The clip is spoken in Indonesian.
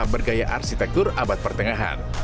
bergaya arsitektur abad pertengahan